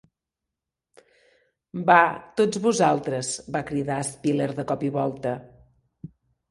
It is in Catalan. "Va, tots vosaltres", va cridar Spiller de cop i volta.